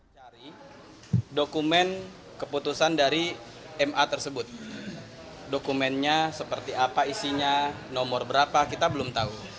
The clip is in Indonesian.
cari dokumen keputusan dari ma tersebut dokumennya seperti apa isinya nomor berapa kita belum tahu